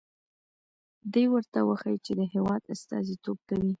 دې ورته وښيي چې د هېواد استازیتوب کوي.